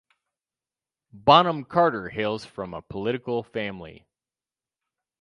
Bonham-Carter hails from a political family.